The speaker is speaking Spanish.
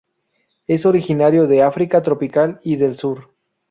Es originario de África tropical y del sur.